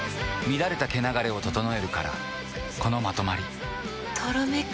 乱れた毛流れを整えるからこのまとまりとろめく。